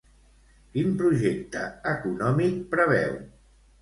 Quin projecte econòmic preveu?